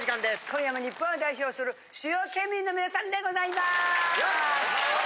今夜も日本を代表する主要県民の皆さんでございます。